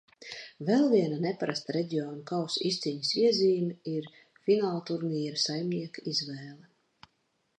Vēl viena neparasta Reģionu kausa izcīņas iezīme ir finālturnīra saimnieka izvēle.